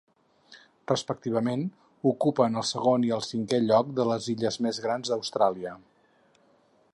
Respectivament ocupen el segon i el cinquè lloc de les illes més grans d'Austràlia.